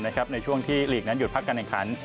ในช่วงที่หลีกนั้นหยุดพักกันในครั้ง